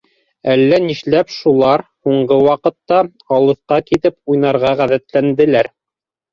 Әллә нишләп шулар һуңғы ваҡытта алыҫҡа китеп уйнарға ғәҙәтләнделәр.